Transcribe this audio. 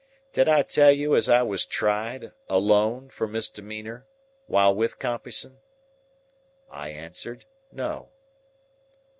Did I tell you as I was tried, alone, for misdemeanor, while with Compeyson?" I answered, No.